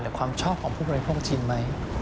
หรือความชอบของผู้บริโภคจีนไหม